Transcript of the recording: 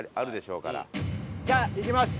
じゃあいきます。